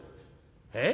「えっ？